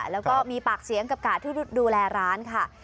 แล้วก็มีปากเสียงกับกาดที่ดูแลร้านค่ะ